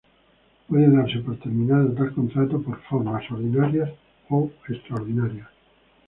Puede darse por terminado tal contrato por formas; ordinarias o extraordinarias.